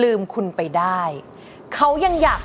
ไม่สามารถทำให้เขารึมคุณไปได้